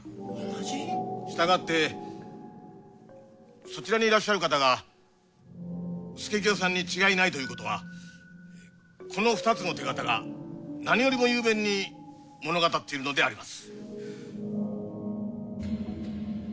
従ってそちらにいらっしゃる方が佐清さんに違いないということはこの２つの手形が何よりも雄弁に物語っているのであります。